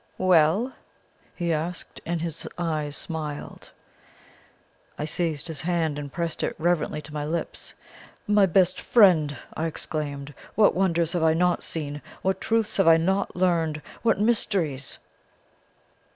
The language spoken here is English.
"'Well?' he asked, and his eyes smiled. "I seized his hand, and pressed it reverently to my lips. "'My best friend!' I exclaimed. 'What wonders have I not seen what truths have I not learned what mysteries!'